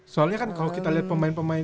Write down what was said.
soalnya kan kalo kita liat pemain pemain